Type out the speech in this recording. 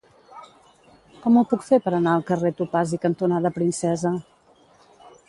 Com ho puc fer per anar al carrer Topazi cantonada Princesa?